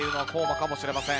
かもしれません。